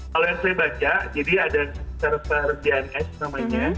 kalau yang saya baca jadi ada server bns namanya